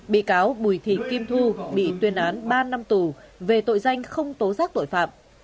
bị cáo bùi thị kim thu bị tuyên án ba năm tù về tội danh không tố giác tội phạm